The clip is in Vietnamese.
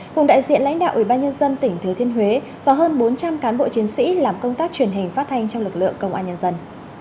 cùng đại diện lãnh đạo ủy ban nhân dân tỉnh thứ thiên huế và hơn bốn trăm linh cán bộ chiến sĩ làm công tác truyền hình phát thanh trong lực lượng công an nhân dân